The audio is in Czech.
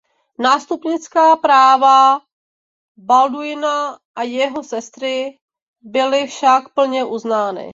Nástupnická práva Balduina a jeho sestry byly však plně uznány.